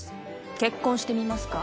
結婚してみますか？